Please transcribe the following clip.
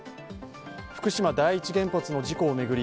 福島第一原発の事故を巡り